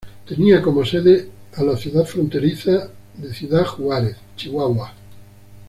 Tenía como sede la ciudad fronteriza de Ciudad Juárez, Chihuahua.